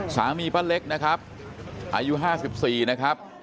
สามีพ่อเล็กนะครับอายุ๕๔นะครับ